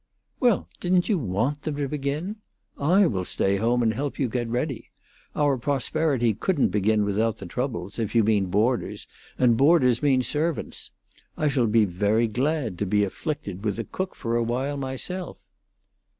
"Well, didn't you want them to begin? I will stay home and help you get ready. Our prosperity couldn't begin without the troubles, if you mean boarders, and boarders mean servants. I shall be very glad to be afflicted with a cook for a while myself."